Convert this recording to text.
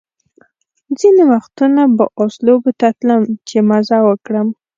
ځینې وختونه به آس لوبو ته تلم چې مزه وکړم.